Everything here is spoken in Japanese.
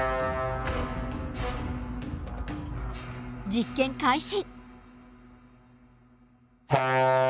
実験開始。